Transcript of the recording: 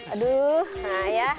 aduh nah ya